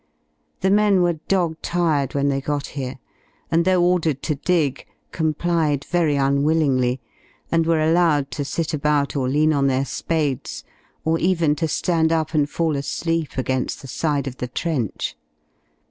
The men were dog tired when they got here, and though ordered to dig, complied very unwillingly, and were allowed to sit about or lean on their spades, or even to ^and up and fall asleep again^ the side of the trench.